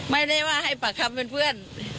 ไม่ได้ว่าให้ปากคำเป็นเพื่อน